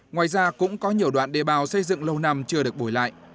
ngoài ra cũng có nhiều đoạn đê bào xây dựng lâu năm chưa được bồi lại